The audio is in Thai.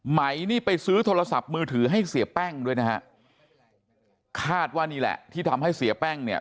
ไหมนี่ไปซื้อโทรศัพท์มือถือให้เสียแป้งด้วยนะฮะคาดว่านี่แหละที่ทำให้เสียแป้งเนี่ย